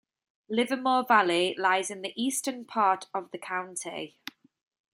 Livermore Valley lies in the eastern part of the county.